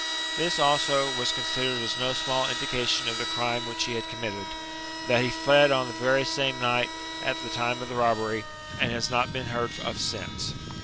This, also, was considered as no small indication of the crime which he had committed, that he fled on the very same night at the time of the robbery, and has not been heard of since.